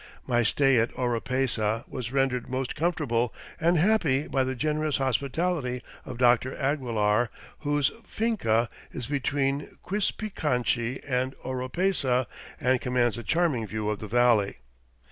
My stay at Oropesa was rendered most comfortable and happy by the generous hospitality of Dr. Aguilar, whose finca is between Quispicanchi and Oropesa and commands a charming view of the valley.